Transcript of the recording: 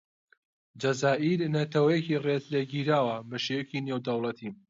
جەزائیر نەتەوەیەکی ڕێز لێگیراوە بەشێوەیەکی نێودەوڵەتی.